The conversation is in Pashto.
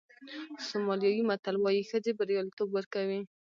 سومالیایي متل وایي ښځې بریالیتوب ورکوي.